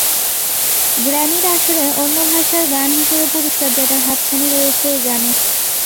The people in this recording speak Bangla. গ্র্যামির আসরে অন্য ভাষার গান হিসেবে পুরস্কার জেতার হাতছানি রয়েছে এই গানে।